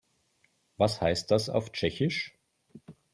Was heißt das auf Tschechisch?